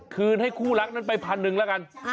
คืนให้คู่รักนั้นไป๑๐๐๐บาทแล้วกัน